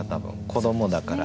子どもだから。